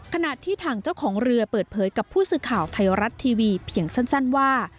ขณะที่ทางเจ้าของเรือเปิดเผยกับผู้สื่อข่าวไทยรัฐทีวีเพียงสั้นว่า